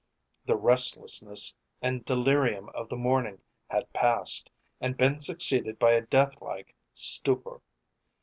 The restlessness and delirium of the morning had passed and been succeeded by a death like stupor.